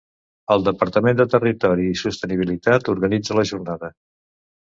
El Departament de Territori i Sostenibilitat organitza la Jornada.